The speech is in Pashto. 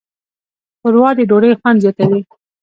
ښوروا د ډوډۍ خوند زیاتوي.